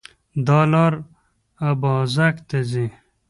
دا لار اببازک ته ځي